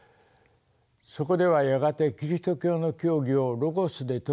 そこではやがてキリスト教の教義をロゴスで説く